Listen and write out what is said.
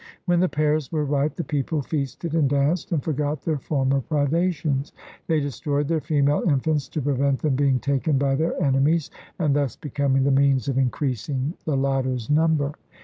When the pears were ripe, the people feasted and danced and forgot their former privations. They destroyed their female infants to prevent them being taken by their enemies and thus becoming the means of increasing the latter' s number."